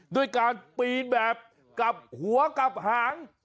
ด้วยการปีนแบบกลับหัวกลับหาง